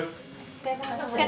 お疲れさまです。